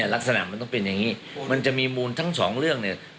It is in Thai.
ลักษณะมันต้องเป็นอย่างนี้มันจะมีมูลทั้งสองเรื่องเนี่ย